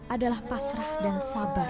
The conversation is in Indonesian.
adalah pasrah dan sabar